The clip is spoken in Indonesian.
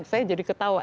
saya jadi ketawa